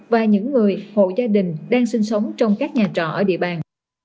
và những người hộ gia đình đang sinh sống trong các nhà trọ ở địa bàn